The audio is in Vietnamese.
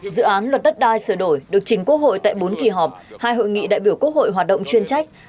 dự án luật đất đai sửa đổi được chính quốc hội tại bốn kỳ họp hai hội nghị đại biểu quốc hội hoạt động chuyên trách